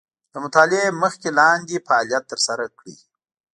د مطالعې مخکې لاندې فعالیت تر سره کړئ.